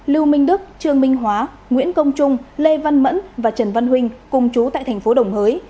lưu minh đức trương minh hóa nguyễn công trung lê văn mẫn và trần văn huỳnh cùng chú tại thành phố đồng hới